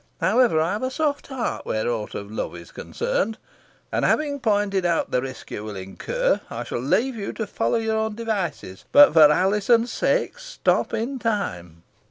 However, I have a soft heart where aught of love is concerned, and, having pointed out the risk you will incur, I shall leave you to follow your own devices. But, for Alizon's sake, stop in time."